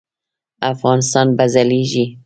افغانستان به ځلیږي؟